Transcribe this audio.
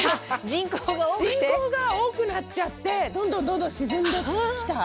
人口が多くなっちゃってどんどんどんどん沈んできた？